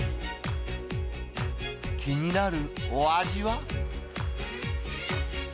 気になるお味は？